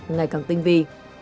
ngày càng tinh vi